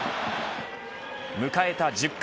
迎えた１０回。